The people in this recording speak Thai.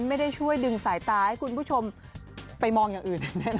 ไม่ได้ช่วยดึงสายตาให้คุณผู้ชมไปมองอย่างอื่น